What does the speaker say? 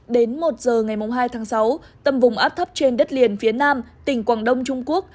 đến một giờ ngày hai tháng sáu tâm vùng áp thấp trên đất liền phía nam tỉnh quảng đông trung quốc